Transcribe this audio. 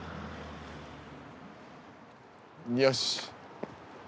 よし！